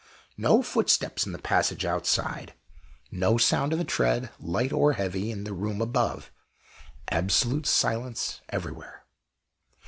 no footsteps in the passage outside no sound of a tread, light or heavy, in the room above absolute silence everywhere.